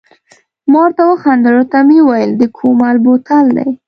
ما ورته و خندل، ورته مې وویل د کومل بوتل دی.